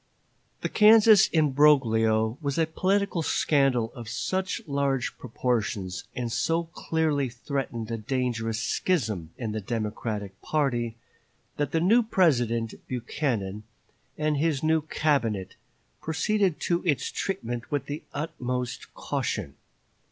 The Kansas imbroglio was a political scandal of such large proportions, and so clearly threatened a dangerous schism in the Democratic party, that the new President, Buchanan, and his new Cabinet, proceeded to its treatment with the utmost caution.